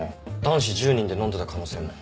男子１０人で飲んでた可能性も。